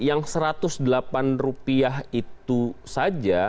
yang satu ratus delapan rupiah itu saja